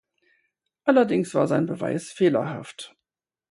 Allerdings war sein Beweis fehlerhaft.